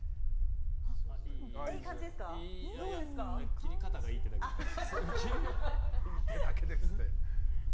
切り方がいいってだけです。